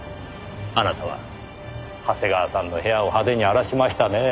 あなたは長谷川さんの部屋を派手に荒らしましたねぇ。